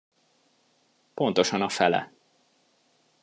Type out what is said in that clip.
Pontosan a fele.